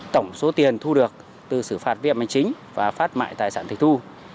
tổng số tiền thu được từ xử phạt viêm hành chính và phát mại tài sản tịch thu